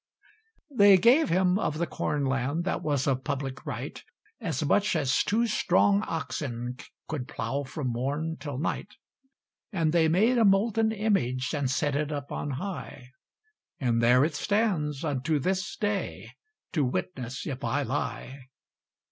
They gave him of the corn land, That was of public right, As much as two strong oxen Could plough from morn till night; And they made a molten image, And set it up on high, And there it stands unto this day To witness if I lie.